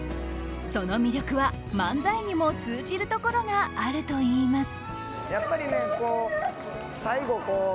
その魅力は、漫才にも通じるところがあるといいます。